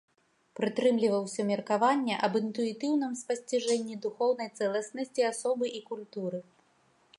Прытрымліваўся меркавання аб інтуітыўным спасціжэнні духоўнай цэласнасці асобы і культуры.